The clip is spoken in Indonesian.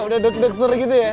udah deg degser gitu ya